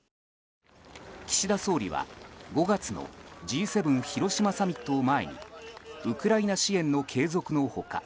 岸田総理は５月のＧ７広島サミットを前にウクライナ支援の継続の他